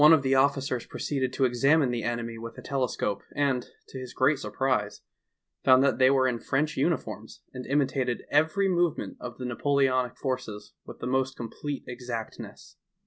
of the officers proceeded to examine the enemy with a telescope, and to his great surprise found that they were in French uniforms and imitated every movement of the Napoleonic forces with the most complete exactness.